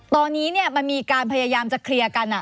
ตอนนี้มันมีการพยายามจะเคลียร์กัน